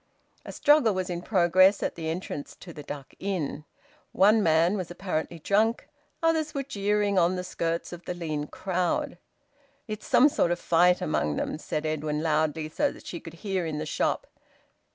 A struggle was in progress at the entrance to the Duck Inn. One man was apparently drunk; others were jeering on the skirts of the lean crowd. "It's some sort of a fight among them," said Edwin loudly, so that she could hear in the shop.